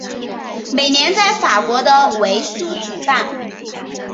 每年在法国的维苏举办。